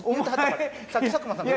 さっき佐久間さんが。